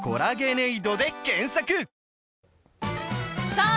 さあ